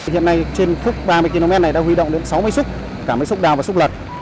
hiện nay trên phút ba mươi km này đã huy động đến sáu máy xúc cả máy xúc đào và xúc lật